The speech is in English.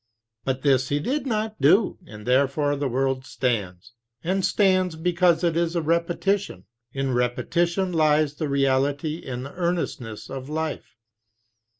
But this he did not do, and there fore the world stands, and stands because it is a repetition. In repetition lies the reality and the earnestness of life.